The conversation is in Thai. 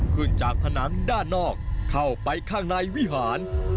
ขึ้นจากผนังด้านนอกเข้าไปข้างในวิหาร